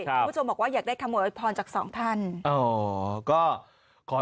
คุณผู้ชมบอกว่าอยากได้คำหวังพรจากสองท่านอ๋อก็ขอให้